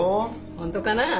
本当かな？